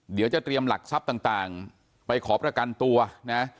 เดี๋ยวจะเตรียมหลักทรัพย์ต่างไปขอประกันตัวนะ